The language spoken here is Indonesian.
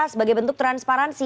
sebagai bentuk transparansi